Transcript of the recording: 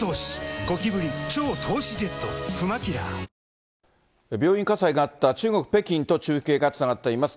当局の思惑、病院火災があった中国・北京と中継がつながっています。